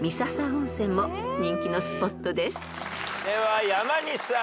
では山西さん。